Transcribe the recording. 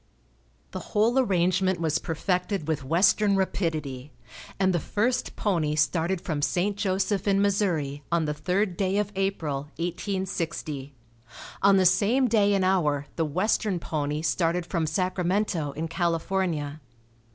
The whole arrangement was perfected with western rapidity, and the first pony started from St. Joseph in Missouri on the third day of April, 1860. On the same day and hour the western pony started from Sacramento in California.